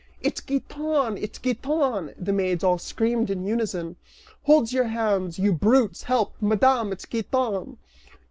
"It's Giton! It's Giton!" the maids all screamed in unison. "Hold your hands, you brutes; help, Madame, it's Giton!"